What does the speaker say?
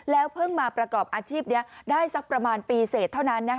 เพิ่งมาประกอบอาชีพนี้ได้สักประมาณปีเสร็จเท่านั้น